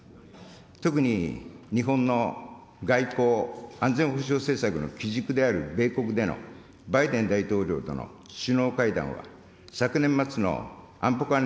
特に日本の外交・安全保障政策の基軸である米国でのバイデン大統領との首脳会談は、昨年末の安保関連